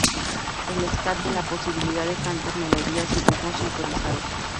El "scat" da la posibilidad de cantar melodías y ritmos improvisados.